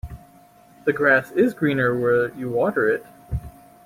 The grass is greener where you water it.